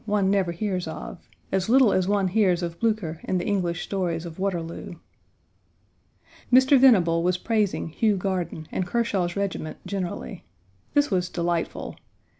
one never hears of as little as one hears of Blücher in the English stories of Waterloo. Mr. Venable was praising Hugh Garden and Kershaw's regiment generally. This was delightful.